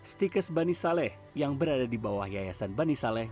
stikes bani saleh yang berada di bawah yayasan bani saleh